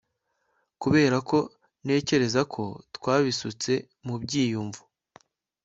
kuberako ntekereza ko twabisutse mubyiyumvo